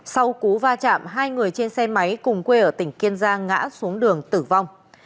sau cú va chạm hai người trên xe máy cùng quê ở tỉnh kiên giang ngã xuống đường tử vong